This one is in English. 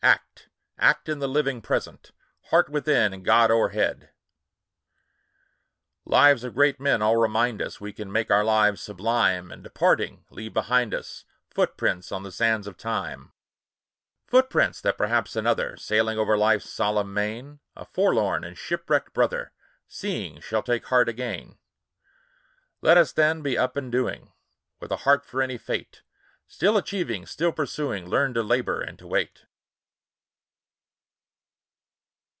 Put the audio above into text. Act, — act in the living Present ! Heart within, and God o'erhead ! A PSALM OF LIFE. Lives of great men all remind us We can make our lives sublime, And, departing, leave behind us Footsteps on the sands of time ; Footsteps, that perhaps another, Sailing o'er life's solemn main, A forlorn and shipwrecked brother, Seeing, shall take heart again. Let us, then, be up and doing, With a heart for any fate ; Still achieving, still pursuing, Learn to labor and to wait.